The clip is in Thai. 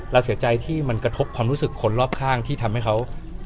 เสียใจที่มันกระทบความรู้สึกคนรอบข้างที่ทำให้เขา